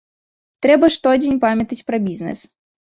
Трэба штодзень памятаць пра бізнэс.